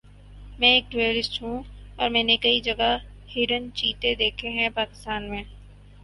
میں ایک ٹورسٹ ہوں اور میں نے کئی جگہ ہرن چیتے دیکھے ہے پاکستان میں